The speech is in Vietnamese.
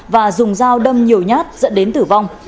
và dùng dao đâm nhiều nhát dẫn đến tử vong